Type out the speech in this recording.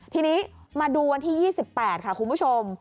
ทีนี้มาดูวันที่๒๘ค่ะคุณผู้ชม